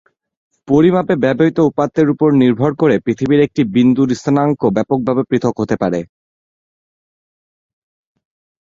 পরিমাপে ব্যবহৃত উপাত্তের উপর নির্ভর করে পৃথিবীর একটি বিন্দুর স্থানাঙ্ক ব্যাপকভাবে পৃথক হতে পারে।